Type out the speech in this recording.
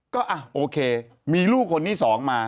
ก็โอเคมีลูกคนที่สองมา